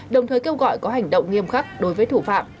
đồng thời kêu gọi có hành động nghiêm khắc đối với thủ phạm